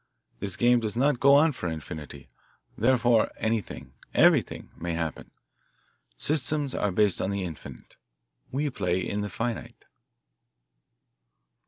This game does not go on for infinity therefore anything, everything, may happen. Systems are based on the infinite; we play in the finite."